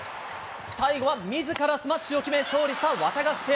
最後はみずからスマッシュを決め、勝利したワタガシペア。